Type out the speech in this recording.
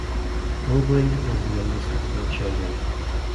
Roebling was the youngest of four children.